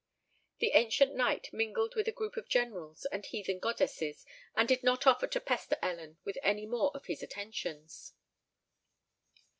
The Ancient Knight mingled with a group of Generals and Heathen Goddesses, and did not offer to pester Ellen with any more of his attentions.